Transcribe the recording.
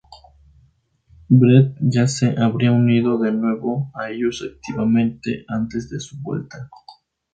Brett ya se habría unido de nuevo a ellos activamente antes de su vuelta.